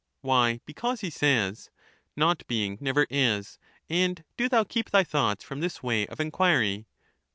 Why, because he says —* Not being never is ^ and do thoa keep thy thoughts from this way of enquiry.'